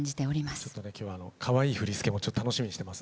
今日はかわいい振り付けも楽しみにしてます。